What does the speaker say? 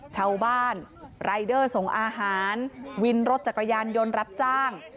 ชาวบ้านรายเดอร์ส่งอาหารวินรถจักรยานยนต์รับจ้าง